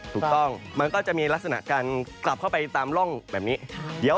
ถูกต้องมันก็จะมีลักษณะการกลับเข้าไปตามร่องแบบนี้